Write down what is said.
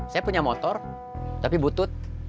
saya punya motor tapi butuh